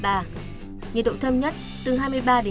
nhiệt độ thấp nhất từ hai mươi ba đến hai mươi sáu độ